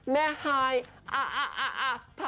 แม่ฮายอ่ะอ่ะอ่ะอ่ะพอ